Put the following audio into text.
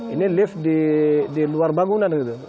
ini lift di luar bangunan gitu